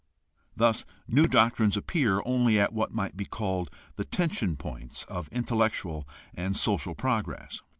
Thus new doctrines appear only at what might be called the tension points of intellectual and social progress.